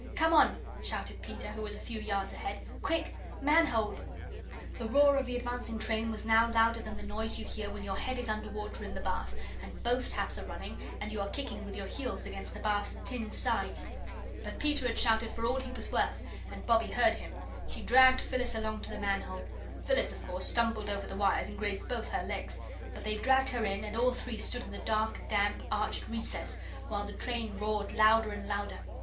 "Come on," shouted Peter, who was a few yards ahead. "Quick! Manhole!" The roar of the advancing train was now louder than the noise you hear when your head is under water in the bath and both taps are running, and you are kicking with your heels against the bath's tin sides. But Peter had shouted for all he was worth, and Bobbie heard him. She dragged Phyllis along to the manhole. Phyllis, of course, stumbled over the wires and grazed both her legs. But they dragged her in, and all three stood in the dark, damp, arched recess while the train roared louder and louder.